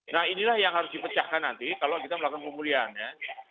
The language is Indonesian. nah inilah yang harus dipecahkan nanti kalau kita melakukan pemulihan ya